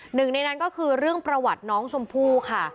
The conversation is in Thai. หนึ่งในนั้นก็คือเรื่องประวัติน้องชมพู่ค่ะ